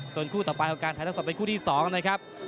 ส่วนคู่ต่อไปของกาวสีมือเจ้าระเข้เขียวนะครับขอบคุณด้วย